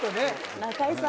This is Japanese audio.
中居さん